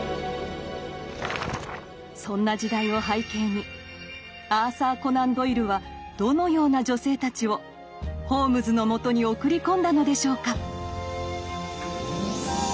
そんな時代を背景にアーサー・コナン・ドイルはどのような女性たちをホームズのもとに送り込んだのでしょうか？